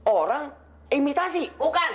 orang imitasi bukan